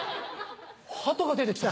ハトが出て来た。